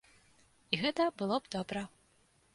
І гэта было б добра.